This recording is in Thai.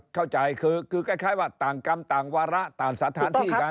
เข้าใจคือคล้ายว่าต่างกรรมต่างวาระต่างสถานที่กัน